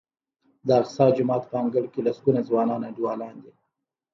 د اقصی جومات په انګړ کې لسګونه ځوانان انډیوالان دي.